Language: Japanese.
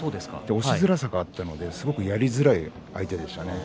押しずらさがあったのでやりづらい相手でした。